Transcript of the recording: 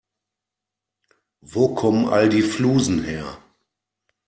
Wo kommen all die Flusen her?